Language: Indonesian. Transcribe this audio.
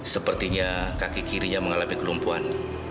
sepertinya kaki kirinya mengalami kelumpuhan